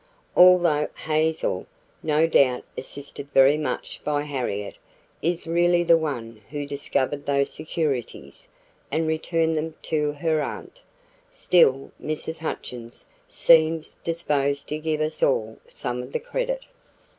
Although Hazel, no doubt assisted very much by Harriet, is really the one who discovered those securities and returned them to her aunt, still Mrs. Hutchins seems disposed to give us all some of the credit.